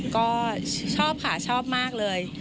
ก็ชอบค่ะชอบมากเลย